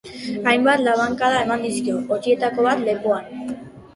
Hainbat labankada eman dizkio, horietako bat lepoan.